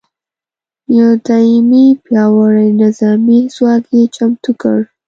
یو دایمي پیاوړي نظامي ځواک یې چمتو کړ.